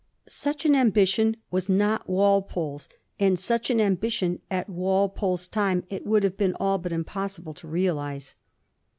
Such an ambition was not Walpole's, and such an ambition at Walpoel's time it would have been all but impossible to realise.